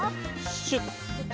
シュッ。